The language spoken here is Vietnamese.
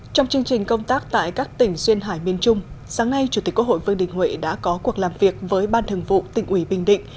trong chương trình công tác tại các tỉnh duyên hải miền trung sáng nay chủ tịch quốc hội vương đình huệ đã có cuộc làm việc với ban thường vụ tỉnh ủy bình định